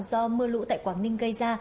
do mưa lũ tại quảng ninh gây ra